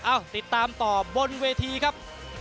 ติดตามต่อบนเวทีครับ